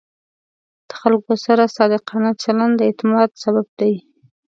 د خلکو سره صادقانه چلند د اعتماد سبب دی.